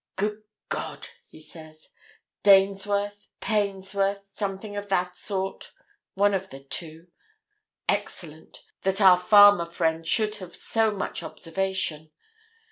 "Good God!" he says. "Dainsworth—Painsworth—something of that sort—one of the two. Excellent—that our farmer friend should have so much observation.